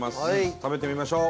食べてみましょう。